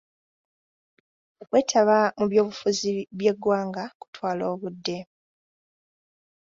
Okwetaba mu by'obufuzi by'eggwanga kutwala obudde.